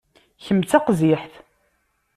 Kemm d taqziḥt.